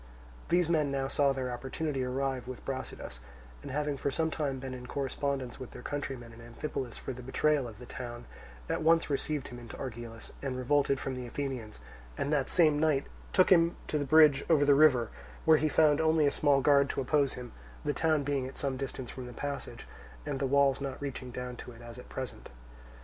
These men now saw their opportunity arrive with Brasidas, and having for some time been in correspondence with their countrymen in Amphipolis for the betrayal of the town, at once received him into Argilus, and revolted from the Athenians, and that same night took him on to the bridge over the river; where he found only a small guard to oppose him, the town being at some distance from the passage, and the walls not reaching down to it as at present.